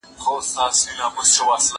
زه به سبا مېوې راټولې کړم!